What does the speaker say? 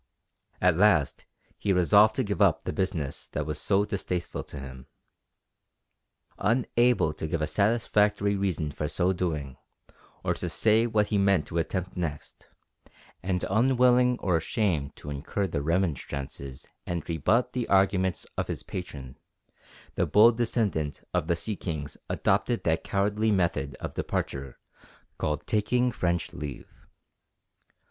At last he resolved to give up the business that was so distasteful to him. Unable to give a satisfactory reason for so doing, or to say what he meant to attempt next, and unwilling or ashamed to incur the remonstrances and rebut the arguments of his patron, the bold descendant of the sea kings adopted that cowardly method of departure called taking French leave.